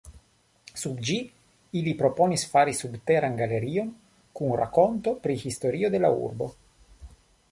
Sub ĝi ili proponis fari subteran galerion kun rakonto pri historio de la urbo.